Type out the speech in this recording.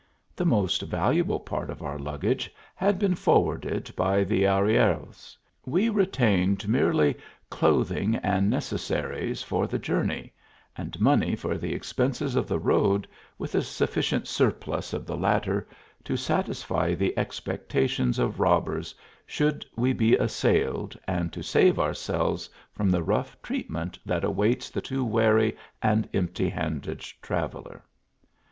The most valuable part of our luggage had been for wajrded by the arrieros ; we retained merely clothing THE JOURNEY. 15 and necessaries for the journey, and money for the expenses of the road, with a sufficient surplus of the latter to satisfy the expectations of robbers, should we be assailed, and to save ourselves from the rough treatment that awaits the too wary and emptyhanded traveller.